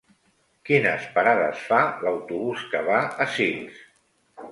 Quines parades fa l'autobús que va a Sils?